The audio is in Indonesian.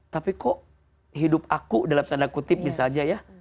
tapi kok hidup aku dalam tanda kutip misalnya ya